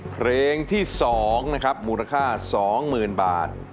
เพลงที่๒นะครับมูลค่า๒๐๐๐บาท